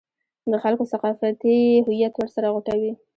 د خلکو ثقافتي هویت ورسره غوټه وي.